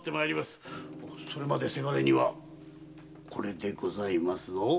それまで伜にはこれでございますぞ。